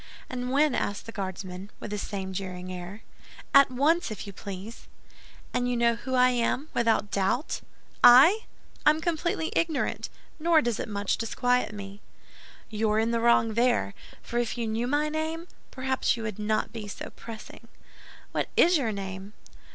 "And when?" asked the Guardsman, with the same jeering air. "At once, if you please." "And you know who I am, without doubt?" "I? I am completely ignorant; nor does it much disquiet me." "You're in the wrong there; for if you knew my name, perhaps you would not be so pressing." "What is your name?"